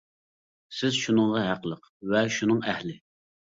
سىز شۇنىڭغا ھەقلىق ۋە شۇنىڭ ئەھلى.